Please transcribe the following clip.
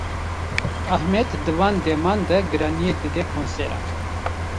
Ahmet di van deman de giraniyê dide konseran.